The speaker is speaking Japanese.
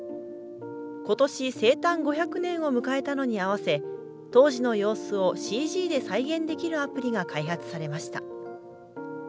今年、生誕５００年を迎えたのに合わせ当時の様子をＣＧで再現できるアプリが開発されました。